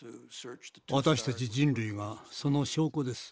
私たち人類がその証拠です。